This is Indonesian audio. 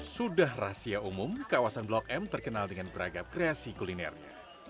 sudah rahasia umum kawasan blok m terkenal dengan beragam kreasi kulinernya